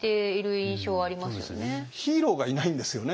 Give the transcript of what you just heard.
ヒーローがいないんですよね。